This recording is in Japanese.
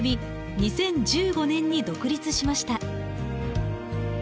２０１５年に独立しました。